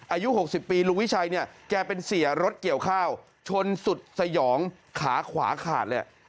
อายุ๖๐ปีลุงวิชัยเนี่ยแกเป็นเสียรถเกี่ยวข้าวชนสุดสยองขาขวาขาดเลย